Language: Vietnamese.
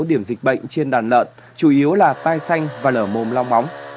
điểm dịch bệnh trên đàn lợn chủ yếu là tai xanh và lở mồm long móng